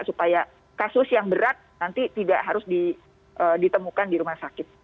supaya kasus yang berat nanti tidak harus ditemukan di rumah sakit